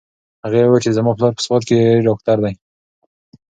هغې وویل چې زما پلار په سوات کې ډاکټر دی.